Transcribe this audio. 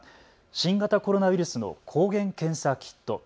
新型コロナウイルスの抗原検査キット。